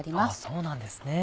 そうなんですね。